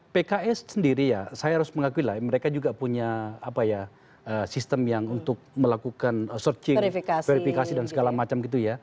pks sendiri ya saya harus mengakui lah mereka juga punya apa ya sistem yang untuk melakukan searching verifikasi dan segala macam gitu ya